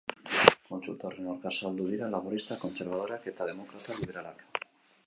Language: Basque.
Kontsulta horren aurka azaldu dira laboristak, kontserbadoreak eta demokrata liberalak.